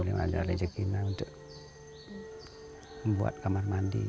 yang ada rejekinya untuk membuat kamar mandi